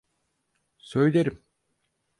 Söylerim.